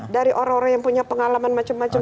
dari orang orang yang punya pengalaman macam macam